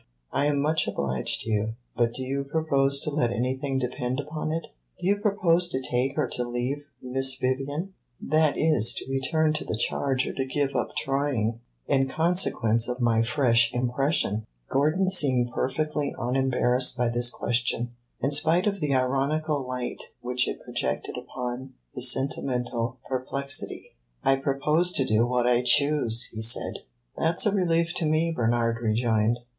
"I am much obliged to you; but do you propose to let anything depend upon it? Do you propose to take or to leave Miss Vivian that is, to return to the charge or to give up trying in consequence of my fresh impression?" Gordon seemed perfectly unembarrassed by this question, in spite of the ironical light which it projected upon his sentimental perplexity. "I propose to do what I choose!" he said. "That 's a relief to me," Bernard rejoined.